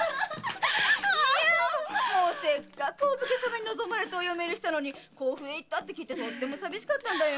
もうせっかくお武家さまに望まれてお嫁入りしたのに甲府へ行ったって聞いてとってもさびしかたんだよ！